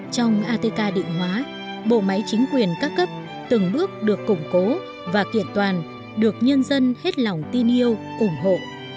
trong atk định hóa bộ máy chính quyền các cấp từng bước được củng cố và kiện toàn được nhân dân hết lòng tin yêu ủng hộ